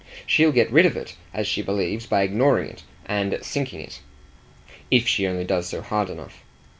She'll get rid of it, as she believes, by ignoring it and sinking it if she only does so hard enough.